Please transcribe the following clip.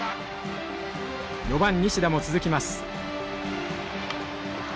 ４番西田も続きます。